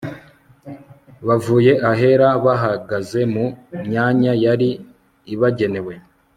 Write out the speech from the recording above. bavuye ahera, bahagaze mu myanya yari ibagenewe